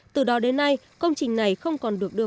từ đó đến nay công trình này không còn được đưa